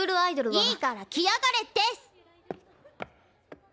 いいから来やがれデス！